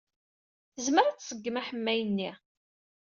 Tezmer ad tṣeggem aḥemmay-nni.